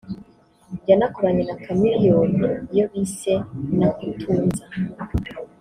yanakoranye na Chameleone iyo bise “Nakutunza”